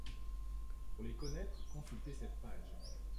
Pour les connaître, consulter cette page.